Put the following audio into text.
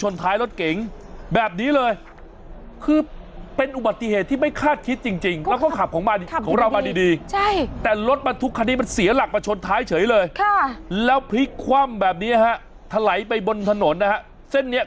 เนี่ยก็ขับมาดีแต่ถูกเสยท้ายอย่างนี้